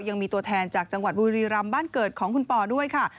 ยังมีตัวแทนจากจังหวัดบุรีรำบ้านเกิดของคุณปอด้วยค่ะ